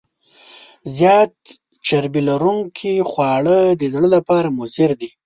زیات چربي لرونکي خواړه د زړه لپاره مضر دي.